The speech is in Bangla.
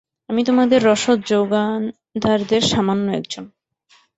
আমি তোমাদের রসদ-জোগানদারদের সামান্য একজন।